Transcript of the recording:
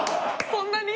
そんなに？